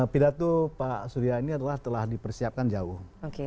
pidato pak surya ini adalah telah dipersiapkan jauh